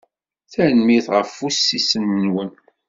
Tanemmirt ɣef wussisen-nwen.